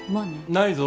ないぞ。